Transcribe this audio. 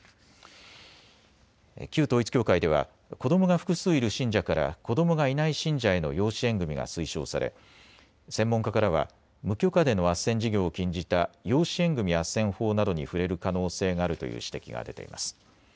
旧統一教会では子どもが複数いる信者から子どもがいない信者への養子縁組みが推奨され、専門家からは無許可でのあっせん事業を禁じた養子縁組あっせん法などに触れる可能性があるという指摘が出ています。